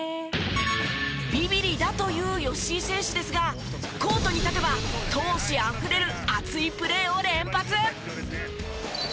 ビビリだという吉井選手ですがコートに立てば闘志あふれる熱いプレーを連発！